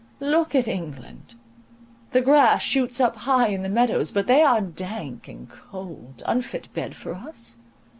Look at England! the grass shoots up high in the meadows; but they are dank and cold, unfit bed for us.